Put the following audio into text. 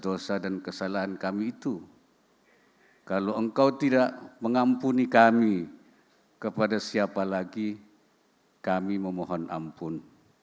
dosa dan kesalahan kami itu kalau engkau tidak mengampuni kami kepada siapa lagi kami memohon ampun